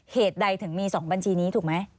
เหตุใดถึงมี๒บัญชีนี้ถูกไหม